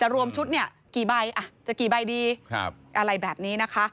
รวมชุดจะกี่ใบดีอะไรแบบนี้นะคะ